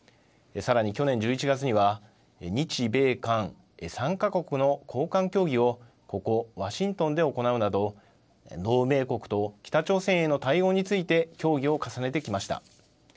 さらに去年１１月には日米韓３か国の高官協議をここ、ワシントンで行うなど同盟国と北朝鮮への対応について協議を重ねてきました。